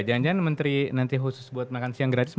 jangan jangan menteri nanti khusus buat makan siang gratis